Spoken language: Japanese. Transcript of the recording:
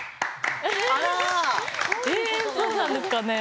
そうなんですか？